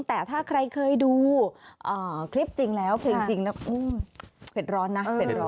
แต่ถ้าใครเคยดูคลิปจริงแล้วเพลงจริงนะเผ็ดร้อนนะ